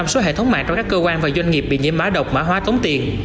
sáu mươi số hệ thống mạng trong các cơ quan và doanh nghiệp bị nhiễm má độc mã hóa tốn tiền